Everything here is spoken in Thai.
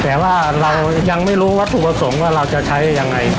แต่ว่าเรายังไม่รู้วัตถุประสงค์ว่าเราจะใช้ยังไง